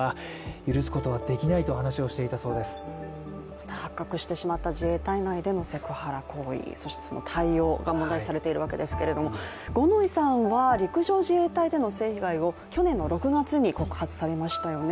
また発覚してしまった自衛隊内でのセクハラ行為、そして対応が問題視されているわけですけれども五ノ井さんは陸上自衛隊での性被害を去年の６月に告発されましたよね。